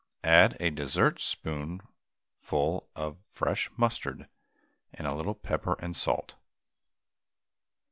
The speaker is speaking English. Add a dessertspoonful of fresh mustard and a little pepper and salt.